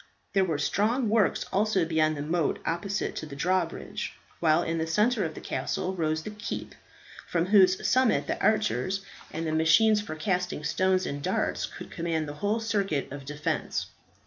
There were strong works also beyond the moat opposite to the drawbridge; while in the centre of the castle rose the keep, from whose summit the archers, and the machines for casting stones and darts, could command the whole circuit of defence.